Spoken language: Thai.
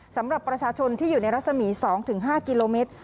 สำหรับประชาชนที่อยู่ในรัศมี๒๕กิโลเมตร